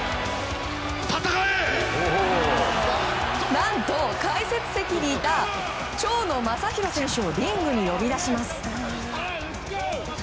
何と、解説席にいた蝶野正洋選手をリングに呼び出します。